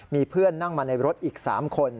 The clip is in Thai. มีเพื่อนนั่งมาในรถอีก๓คน